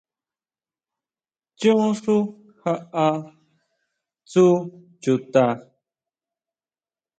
Chon xú jaʼa tsú chuta.